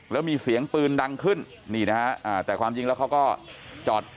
แล้วมีเสียงปืนดังขึ้นนี่นะฮะอ่าแต่ความจริงแล้วเขาก็จอด